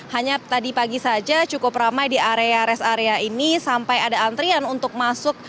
hanya tadi pagi saja cukup ramai di area rest area ini sampai ada antrian untuk masuk